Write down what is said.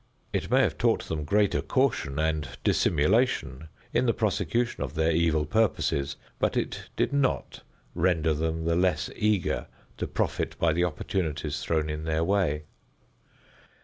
It may have taught them greater caution and dissimulation in the prosecution of their evil purposes, but it did not render them the less eager to profit by the opportunities thrown in their way.